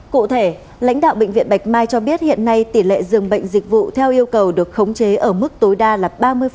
cụ thể lãnh đạo bệnh viện bạch mai cho biết hiện nay tỷ lệ dường bệnh dịch vụ theo yêu cầu được khống chế ở mức tối đa là ba mươi